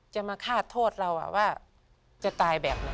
จะมาฆ่าโทษเราว่าจะตายแบบไหน